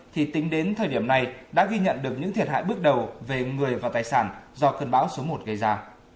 thì tính đến thời điểm này đã ghi nhận được những thiệt hại bước đầu về người và tài sản do cơn bão số một gây ra